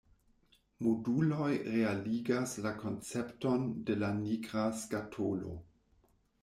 Moduloj realigas la koncepton de la nigra skatolo.